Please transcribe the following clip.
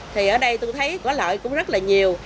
thì ở đây tôi thấy có lợi cũng rất là nhiều